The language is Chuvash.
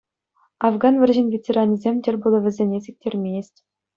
Афган вӑрҫин ветеранӗсен тӗл пулӑвӗсене сиктермест.